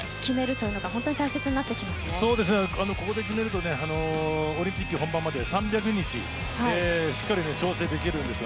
というのがここで決めるとオリンピック本番までに３００日しっかり調整できるんです。